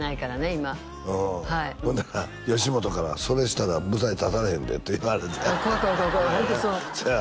今はいほんなら吉本からそれしたら舞台立たれへんでって言われたって怖い怖い怖い怖いホントそうせや